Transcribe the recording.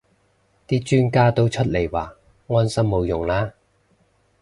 啲專家都出嚟話安心冇用啦